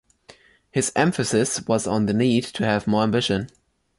His emphasis was on the need to have more ambition.